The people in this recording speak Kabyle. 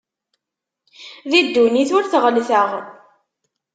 Di ddunit ur t-ɣellteɣ.